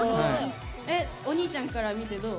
おにいちゃんから見てどう？